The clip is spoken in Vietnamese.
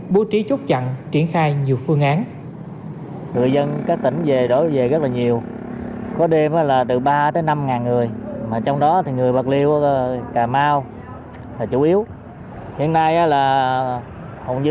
bố trí chốt chặn triển khai nhiều phương án